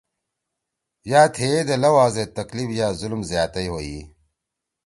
یأ تھیِدے لؤا زیت تکلیف یأ ظلم زیاتئ ھوئی ۔